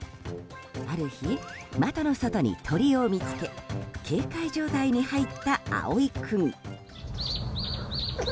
ある日、窓の外に鳥を見つけ警戒状態に入った蒼君。